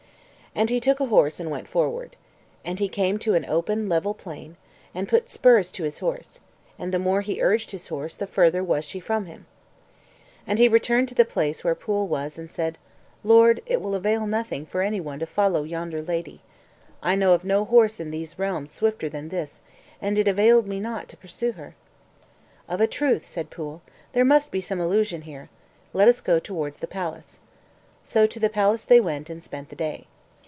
And he took a horse and went forward. And he came to an open, level plain, and put spurs to his horse; and the more he urged his horse, the further was she from him. And he returned to the place where Pwyll was, and said, "Lord, it will avail nothing for any one to follow yonder lady. I know of no horse in these realms swifter than this, and it availed me not to pursue her." "Of a truth," said Pwyll, "there must be some illusion here; let us go towards the palace." So to the palace they went, and spent the day.